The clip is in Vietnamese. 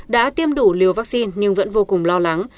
đã tiêm đủ liều vaccine nhưng vẫn vô cùng lo lắng